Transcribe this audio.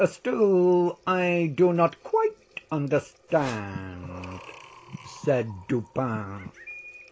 "Still I do not quite understand," said Dupin.